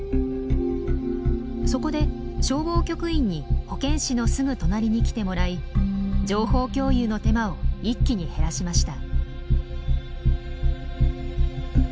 そこで消防局員に保健師のすぐ隣に来てもらい情報共有の手間を一気に減らしました。